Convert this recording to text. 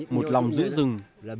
một lòng giữ rừng